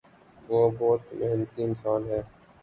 وہ بہت محنتی انسان ہے۔